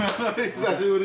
久しぶり。